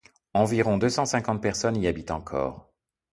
Environ deux cent cinquante personnes y habitent encore.